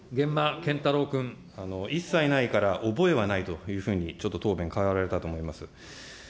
一切ないから、覚えはないというふうに、ちょっと答弁変わられたと思います。